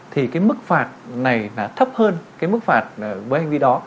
thì cái mức phạt này là thấp hơn cái mức phạt với hành vi đó